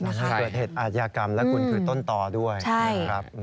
ทำให้เกิดเหตุอาชญากรรมและคุณคือต้นต่อด้วย